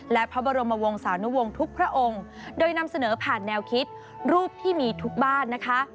และพระบรมวงศานุวงศ์ทุกพระองค์โดยนำเสนอผ่านแนวคิดรูปที่มีทุกบ้านนะคะ